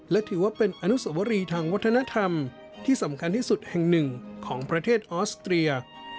และถือว่าเป็นอนุสวรีทางวัฒนธรรมที่สำคัญที่สุดแห่งหนึ่งของประเทศออสเตรีย